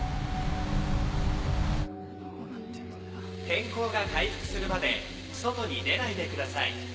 天候が回復するまで外に出ないでください。